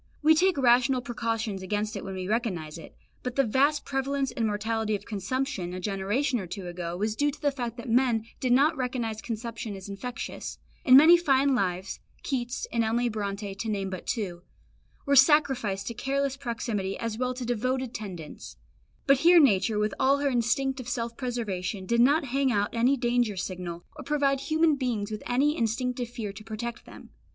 We take rational precautions against it when we recognise it, but the vast prevalence and mortality of consumption a generation or two ago was due to the fact that men did not recognise consumption as infectious; and many fine lives Keats and Emily Bronte, to name but two were sacrificed to careless proximity as well as to devoted tendance; but here nature, with all her instinct of self preservation, did not hang out any danger signal, or provide human beings with any instinctive fear to protect them.